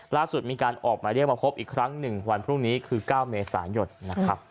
ล่าสุดมีการออกหมายเรียกมาพบอีกครั้งหนึ่งวันพรุ่งนี้คือ๙เมษายนนะครับ